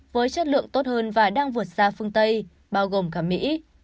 với chất lượng tốt hơn và đang vượt xa phương tây bao gồm cả mỹ